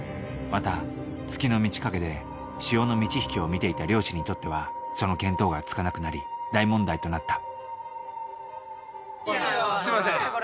また月の満ち欠けで潮の満ち引きを見ていた漁師にとってはその見当がつかなくなり大問題となったすみません。